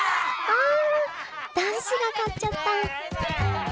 あ男子が勝っちゃった。